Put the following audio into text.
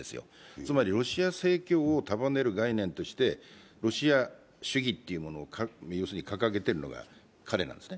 つまりロシア正教を束ねる概念としてロシア主義というものを掲げているのが彼なんですね。